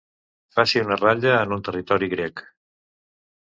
Faci una ratlla en un territori grec.